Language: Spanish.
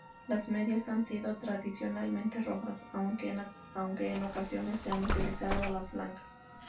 Las medias han sido tradicionalmente rojas, aunque en ocasiones se han utilizado las blancas.